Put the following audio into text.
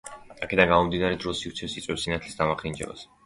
აქედან გამომდინარე, დრო-სივრცე იწვევს სინათლის დამახინჯებას.